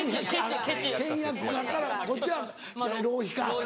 倹約家からこっちは浪費家。